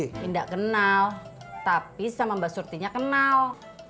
tidak kenal tapi sama mbak surtinya kenal